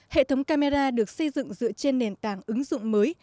hệ thống camera được xây dựng dựa trên nền tảng ứng dụng mới